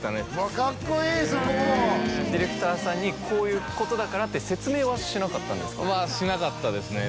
カッコイイそこもディレクターさんにこういうことだからって説明はしなかったんですかはしなかったですね